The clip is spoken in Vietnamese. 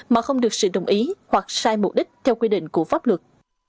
mà không được sự đồng ý hoặc sai mục đích theo quy định của pháp luật